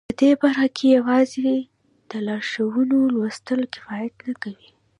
په دې برخه کې یوازې د لارښوونو لوستل کفایت نه کوي